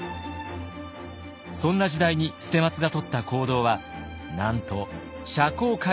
そんな時代に捨松がとった行動はなんと社交界で活躍すること。